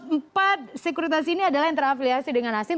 empat sekuritas ini adalah yang terafiliasi dengan asing